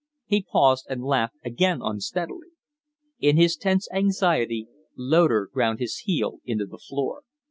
He paused and laughed again unsteadily. In his tense anxiety, Loder ground his heel into the floor.